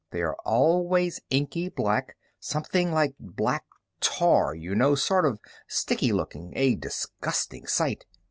They are always inky black, something like black tar, you know, sort of sticky looking, a disgusting sight.